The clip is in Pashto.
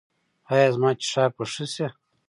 ایا زما څښاک به ښه شي؟